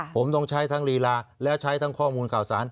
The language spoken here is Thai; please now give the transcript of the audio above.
ผมต้องใช้ทั้งลีลาและใช้ทั้งข้อมูลข่าวสาร